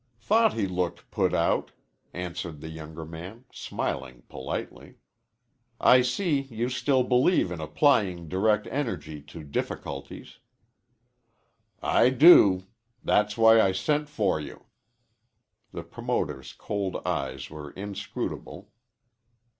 "Thought he looked put out," answered the younger man, smiling politely. "I see you still believe in applying direct energy to difficulties." "I do. That's why I sent for you." The promoter's cold eyes were inscrutable.